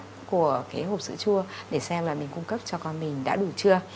nhãn map của cái hộp sữa chua để xem là mình cung cấp cho con mình đã đủ chưa